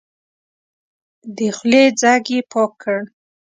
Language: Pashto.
د خولې ځګ يې پاک کړ.